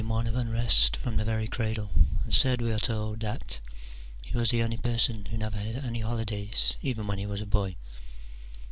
one of nnrest from the very cradle, and said, we are told, that *' he was the only person who had never had any holi days even when he was a boy."